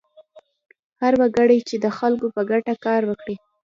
هر وګړی چې د خلکو په ګټه کار وکړي.